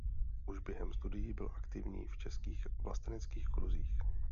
Už během studií byl aktivní v českých vlasteneckých kruzích.